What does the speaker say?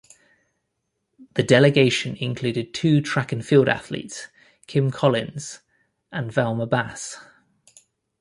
The delegation included two track and field athletes: Kim Collins and Velma Bass.